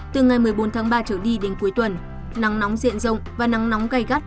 từ ngày một mươi bốn tháng ba trở đi đến cuối tuần nắng nóng diện rộng và nắng nóng gai gắt